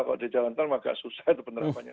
kalau di jalan tol agak susah itu penerapannya